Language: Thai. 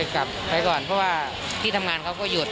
กลับไปก่อนเพราะว่าที่ทำงานเขาก็หยุด